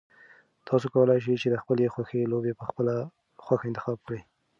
تاسو کولای شئ چې د خپلې خوښې لوبه په خپله خوښه انتخاب کړئ.